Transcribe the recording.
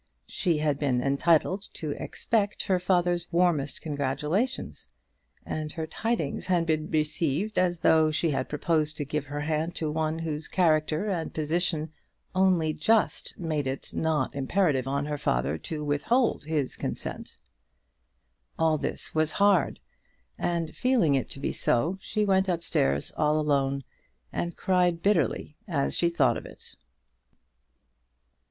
She had been entitled to expect her father's warmest congratulations, and her tidings had been received as though she had proposed to give her hand to one whose character and position only just made it not imperative on the father to withhold his consent! All this was hard, and feeling it to be so, she went up stairs, all alone, and cried bitterly as she thought of it.